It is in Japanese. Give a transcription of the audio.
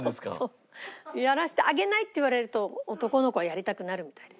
やらせてあげないって言われると男の子はやりたくなるみたい。